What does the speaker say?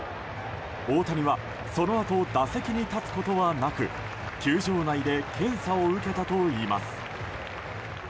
大谷はそのあと打席に立つことはなく球場内で検査を受けたといいます。